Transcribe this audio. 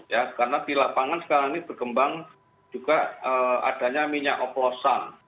ya karena di lapangan sekarang ini berkembang juga adanya minyak oplosan